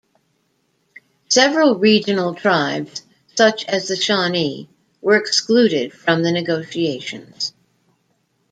Several regional tribes, such as the Shawnee, were excluded from the negotiations.